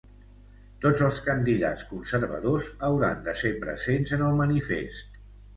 Tots els candidats conservadors hauran de ser presents en el manifest.